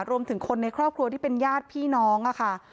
รวมถึงคนในครอบครัวที่เป็นญาติพี่น้องค่ะ